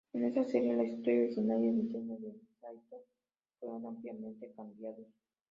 En esta serie la historia original y el diseño de Saito fueron ampliamente cambiados.